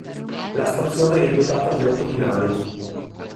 La stazione è dotata di otto binari.